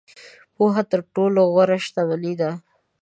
• پوهه تر ټولو غوره شتمني ده.